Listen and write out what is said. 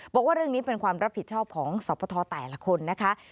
บอกว่าเรื่องนี้เป็นความรับผิดชอบของสปทแต่ละคนนะคะ